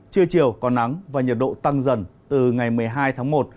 trưa chiều có nắng và nhiệt độ tăng dần từ ngày một mươi hai tháng một